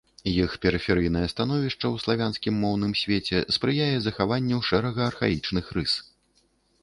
Іх перыферыйнае становішча ў славянскім моўным свеце спрыяе захаванню шэрага архаічных рыс.